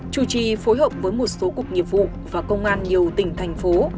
chủ trì phối hợp với một số cục nghiệp vụ và công an nhiều tỉnh thành phố